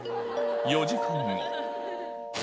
４時間後。